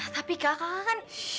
tapi kakak kan